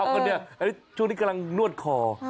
เอาคนเดียวช่วงนี้กำลังนวดคอ